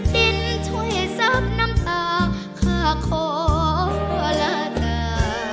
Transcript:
ดินช่วยซับน้ำตาข้าขอลาตา